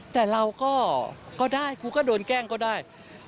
แต่เราก็ได้ครูก็โดนแกล้งก็ได้